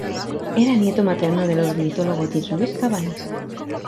Era nieto materno del ornitólogo Jean Louis Cabanis.